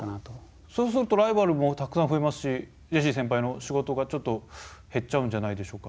そうするとライバルもたくさん増えますしジェシーセンパイの仕事がちょっと減っちゃうんじゃないでしょうか。